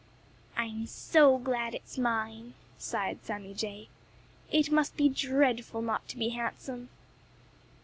"I'm so glad it's mine!" sighed Sammy Jay. "It must be dreadful not to be handsome."